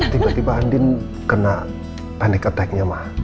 tiba tiba andien kena panic attacknya mah